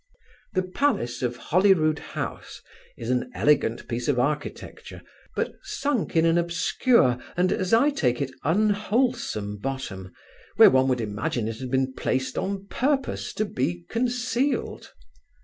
The palace of Holyrood house is an elegant piece of architecture, but sunk in an obscure, and, as I take it, unwholesome bottom, where one would imagine it had been placed on purpose to be concealed.